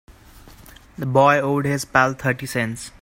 The boy owed his pal thirty cents.